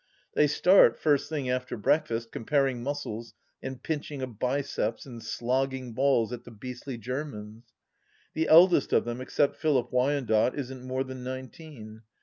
They start, first thing after breakfast, comparing muscles and pinching of biceps and slogging balls at the " beastly Ger mans." ... The eldest of them, except Philip Wyandotte, isn't more than nineteen.